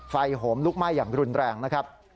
โหมลุกไหม้อย่างรุนแรงนะครับ